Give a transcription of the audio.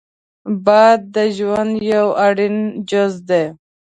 باد د ژوند یو اړین جز دی